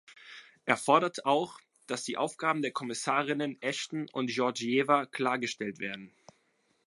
Er fordert auch, dass die Aufgaben der Kommissarinnen Ashton und Georgieva klargestellt werden.